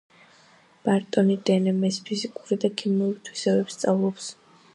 ბარტონი დნმ-ის ფიზიკურ და ქიმიურ თვისებებს სწავლობს.